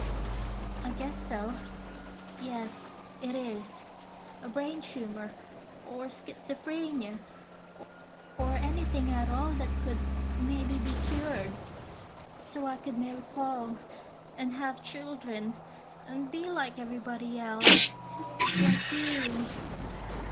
"I guess so. Yes, it is. A brain tumor. Or schizophrenia. Or anything at all that could maybe be cured, so I could marry Paul and have children and be like everybody else. Like you."